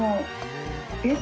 えっ？